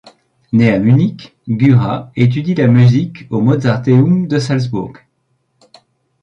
Né à Munich, Güra étudie la musique au Mozarteum de Salzbourg.